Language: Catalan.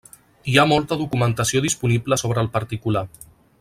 Hi ha molta documentació disponible sobre el particular.